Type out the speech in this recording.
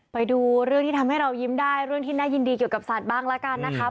ไปดูเรื่องที่ทำให้เรายิ้มได้เรื่องที่น่ายินดีเกี่ยวกับสัตว์บ้างแล้วกันนะครับ